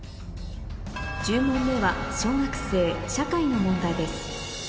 １０問目は小学生社会の問題です